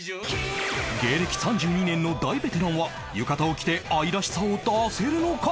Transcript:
芸歴３２年の大ベテランは浴衣を着て愛らしさを出せるのか？